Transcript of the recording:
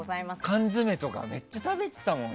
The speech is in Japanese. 缶詰とかめっちゃ食べていたもん。